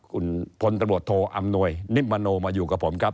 คุณพลตำรวจโทอำนวยนิมมโนมาอยู่กับผมครับ